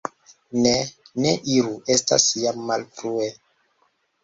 Ne, ne iru, estas jam malfrue.